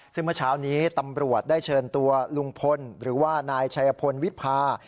ซึ่งเมื่อเช้านี้ตำรวจได้เชิญตัวลุงพลหรือว่านายชัยพลวิพา